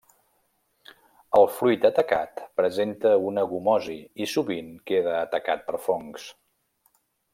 El fruit atacat presenta una gomosi i sovint queda atacat per fongs.